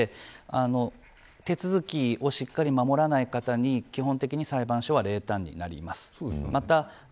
おっしゃるとおりで手続きをしっかり守らない方に基本的に裁判所は冷淡になります。